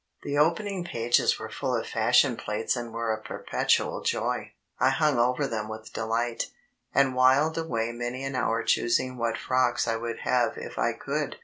The opening pages were full of fashion plates and were a perpetual joy; I hung over them with delight, and whiled away many an hour choosing what frocks I would have if I could.